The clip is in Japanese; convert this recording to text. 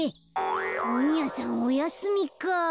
ほんやさんおやすみか。